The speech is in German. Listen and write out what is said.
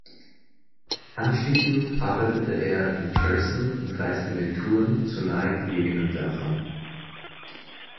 Anschließend arbeitete er in Cherson und reiste mit Touren zu nahe gelegenen Dörfern.